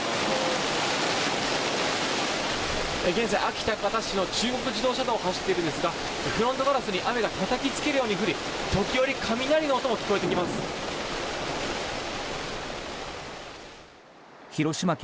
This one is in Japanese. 現在、安芸高田市の中国自動車道を走っているんですがフロントガラスに雨がたたきつけるように降り時折、雷の音も聞こえてきます。